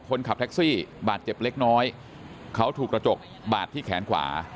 คนขับแท็กซี่บาดเจ็บเล็กน้อยเขาถูกกระจกบาดที่แขนขวา